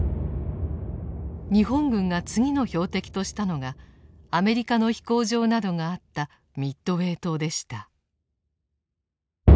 日本軍が次の標的としたのがアメリカの飛行場などがあったミッドウェー島でした。